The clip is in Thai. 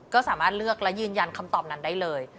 ก็สามารถเลือกและยืนยันคำตอบนั้นได้เลย